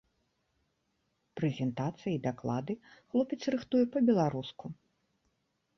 Прэзентацыі і даклады хлопец рыхтуе па-беларуску.